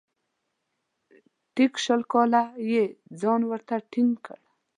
ټیک شل کاله یې ځان ورته ټینګ کړ .